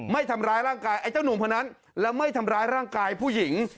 ไม่ทำร้ายร่างกายไอ้เจ้าหนุ่มคนนั้นแล้วไม่ทำร้ายร่างกายผู้หญิง